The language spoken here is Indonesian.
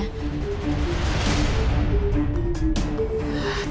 sayangnya di pad collaborate seharusnya sudah mati